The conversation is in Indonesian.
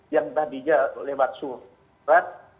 yang tadinya lewat surat